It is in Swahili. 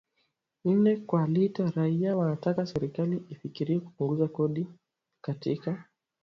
nne kwa lita raia wanataka serikali ifikirie kupunguza kodi katika